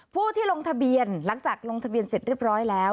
ผู้ที่ลงทะเบียนหลังจากลงทะเบียนเสร็จเรียบร้อยแล้ว